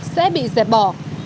sẽ bị dẹp bỏ